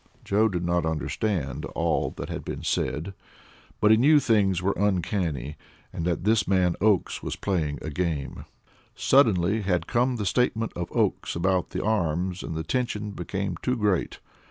Joe did not understand all that had been said, but he knew things were uncanny and that this man Oakes was playing a game. Suddenly had come the statement of Oakes about the arms, and the tension became too great.